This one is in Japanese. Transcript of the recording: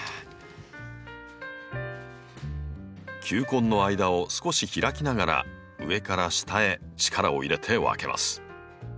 球根の間を少し開きながら上から下へ力を入れて分けます。